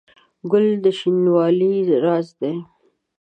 ګل د شینوالي راز دی.